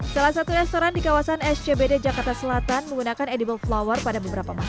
salah satu restoran di kawasan scbd jakarta selatan menggunakan edible flower pada beberapa masjid